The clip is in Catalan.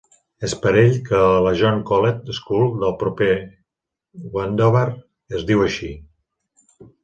És per ell que la John Colet School del proper Wendover es diu així.